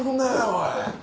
おい。